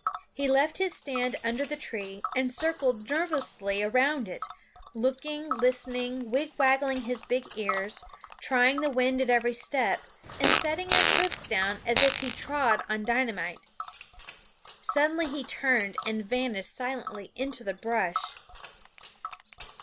He left his stand under the tree and circled nervously around it, looking, listening, wigwagging his big ears, trying the wind at every step, and setting his hoofs down as if he trod on dynamite. Suddenly he turned and vanished silently into the brush.